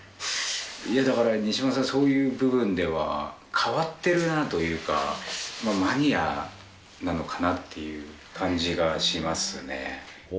だから、西島さん、そういう部分では変わってるなというか、マニアなのかなっていう感じがしますね。